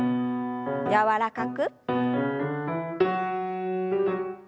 柔らかく。